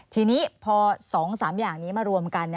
ทีนี้พอ๒๓อย่างนี้มารวมกัน